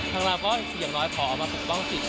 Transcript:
เราก็อย่างน้อยขอเอามาปกป้องสิทธิ